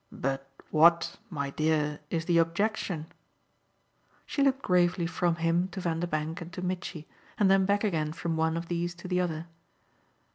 "But what, my dear, is the objection ?" She looked gravely from him to Vanderbank and to Mitchy, and then back again from one of these to the other.